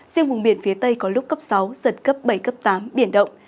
riêng vùng biển phía tây có lúc cấp sáu giật cấp bảy cấp tám biển động